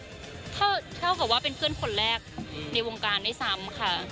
เท่ากับว่าเป็นเพื่อนคนแรกในวงการด้วยซ้ำค่ะ